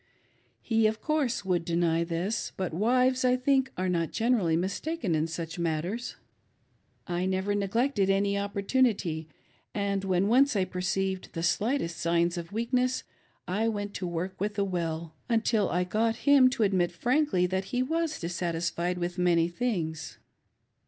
He, of course, would deny this ; but wives, I think, are not generally mistaken in such matters. I never neglected any opportunity, and when once I perceived the slightest signs of weakness, I went to work with a will, 488 "CHARMS FOR THE MEN." until! got him to admit frankly that he was dissatisfied with many things.